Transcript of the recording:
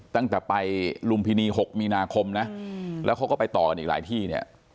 ตั้งแต่ไปลุมพินี๖มีนาคมนะแล้วเขาก็ไปต่อกันอีกหลายที่เนี่ย